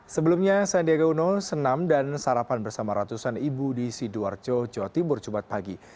sebelumnya sandiaga uno senam dan sarapan bersama ratusan ibu di sidoarjo jawa timur jumat pagi